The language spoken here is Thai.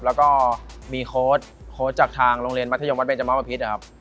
แล้วก็มีโค้ดโค้ชจากทางโรงเรียนมัธยมวัดเบจเมาบพิษนะครับ